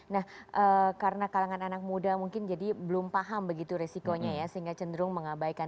nah karena kalangan anak muda mungkin jadi belum paham begitu resikonya ya sehingga cenderung mengabaikan